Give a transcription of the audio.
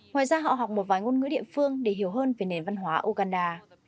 ngoài ra họ học một vài ngôn ngữ địa phương để hiểu hơn về nền văn hóa uganda